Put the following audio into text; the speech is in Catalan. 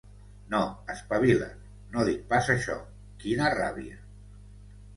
No, espavilat! No dic pas això! Quina ràbia!